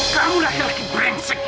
kamu lahir laki brengsek